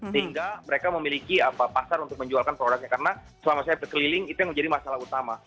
sehingga mereka memiliki pasar untuk menjualkan produknya karena selama saya berkeliling itu yang menjadi masalah utama